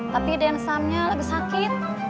tapi udah yang samnya lagi sakit